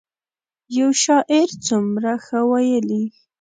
یو شاعر څومره ښه ویلي.